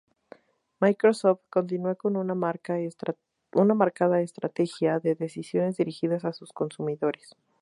Microsoft continuó con una marcada estrategia de decisiones dirigidas a sus consumidores.